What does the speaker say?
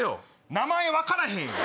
名前分からへん。